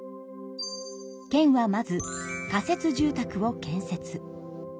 県はまず仮設住宅を建設。